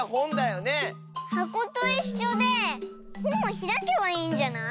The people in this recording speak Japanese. はこといっしょでほんもひらけばいいんじゃない？